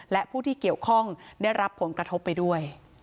และผู้ที่เกี่ยวข้องได้รับผลกระทบไปด้วย